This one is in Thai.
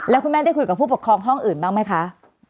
แล้วคุณแม่ได้คุยกับผู้ปกครองห้องอื่นบ้างไหมคะ